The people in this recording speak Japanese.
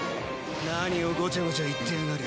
何をごちゃごちゃ言ってやがる。